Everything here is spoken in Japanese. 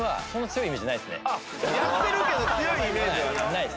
やってるけど強いイメージはない？